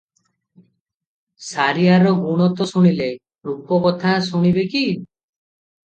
ସାରିଆର ଗୁଣ ତ ଶୁଣିଲେ, ରୂପ କଥା ଶୁଣିବେ କି?